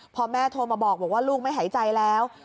พอแม่โทรมาบอกว่าลูกไม่หายใจแล้ว